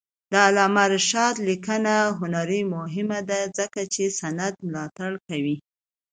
د علامه رشاد لیکنی هنر مهم دی ځکه چې سند ملاتړ کوي.